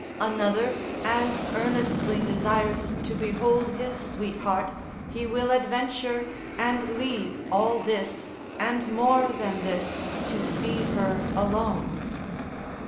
Another as earnestly desires to behold his sweetheart he will adventure and leave all this, and more than this to see her alone.